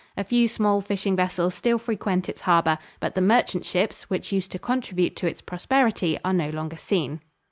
A few small fishing vessels still frequent its harbor, but the merchant ships, which used to contribute to its prosperity, are no longer seen.